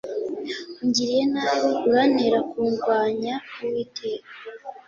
ungiriye nabi urantera kundwanya uwiteka